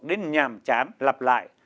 đến nhàm chán lặp lại